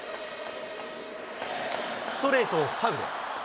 ストレートをファウル。